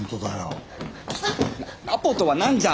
アポとは何じゃ！